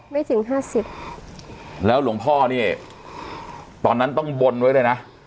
ถึงห้าสิบแล้วหลวงพ่อนี่ตอนนั้นต้องบนไว้เลยนะ